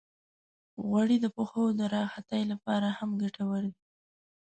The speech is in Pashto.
غوړې د پښو د راحتۍ لپاره هم ګټورې دي.